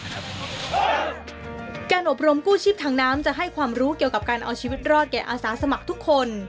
การอบรมกู้ชีพทางน้ำจะให้ความรู้เกี่ยวกับการเอาชีวิตรอดแก่อาสาสมัครทุกคน